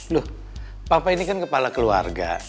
loh papa ini kan kepala keluarga